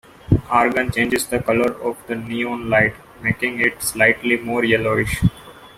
The argon changes the color of the "neon light", making it slightly more yellowish.